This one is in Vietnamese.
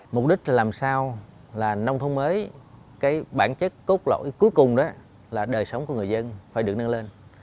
mục đích làm sao là nông thôn mới cái bản chất cốt lỗi cuối cùng đó là đời sống của người dân phải được nâng lên